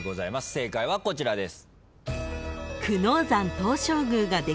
正解はこちらです。